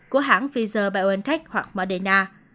của hãng pfizer biontech hoặc moderna